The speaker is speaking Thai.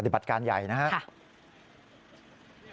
บัติการใหญ่นะครับ